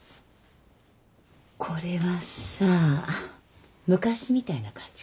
これはさ昔みたいな感じかな？